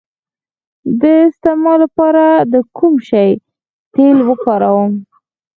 د استما لپاره د کوم شي تېل وکاروم؟